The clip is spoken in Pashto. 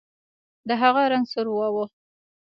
د هغه رنګ سور واوښت.